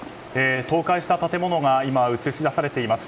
倒壊した建物が映し出されています。